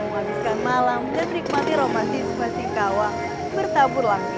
menghabiskan malam dan menikmati romansi semasa singkawang bertabur lampion